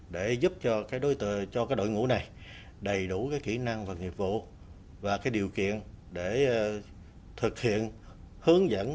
để giúp cho cái đội ngũ này đầy đủ cái kỹ năng và nghiệp vụ và cái điều kiện để thực hiện hướng dẫn